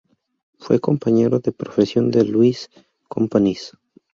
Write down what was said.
Fue compañero de profesión de Lluís Companys.